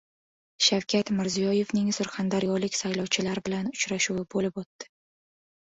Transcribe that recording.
Shavkat Mirziyoyevning surxondaryolik saylovchilar bilan uchrashuvi boshlandi